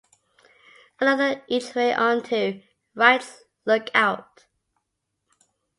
Another each way on to Wright's Lookout.